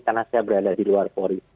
karena saya berada di luar polri